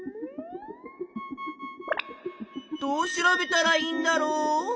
どう調べたらいいんだろう？